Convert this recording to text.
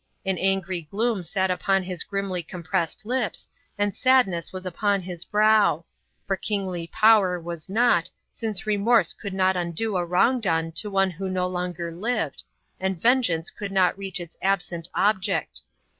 An angry gloom sat upon his grimly compressed lips, and sadness was upon his brow; for kingly power was naught, since remorse could not undo a wrong done to one who no longer lived, and vengeance could not reach its absent object.